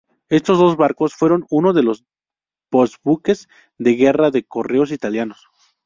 Estos dos barcos fueron uno de los post-buques de guerra de correos italianos.